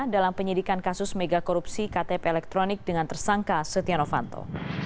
dalam penyidikan kasus mega korupsi ktp elektronik dengan tersangka setia novanto